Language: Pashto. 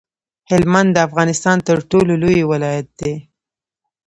هلمند د افغانستان تر ټولو لوی ولایت دی.